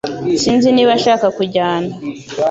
Sinzi niba ashaka kujyana